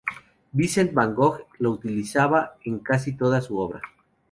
Vincent van Gogh lo utilizaba casi en toda su obra.